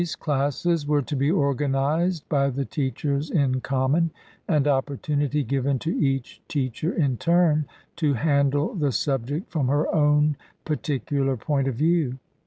classes were to be organized by the teachers in common, and opportunity given to each teacher in turn to handle the subject from her own particular point of view.